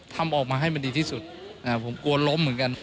ทำออกมาให้มันดีที่สุดผมกลัวล้มเหมือนกัน